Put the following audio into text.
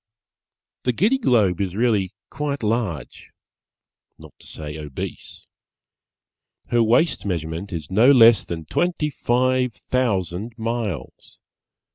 The Giddy Globe is really quite large, not to say obese. Her waist measurement is no less than twenty five thousand miles.